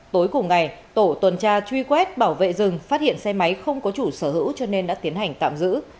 tối cùng ngày tổ tuần tra truy quét bảo vệ rừng phát hiện xe máy không có chủ sở hữu cho nên đã tiến hành tạm giữ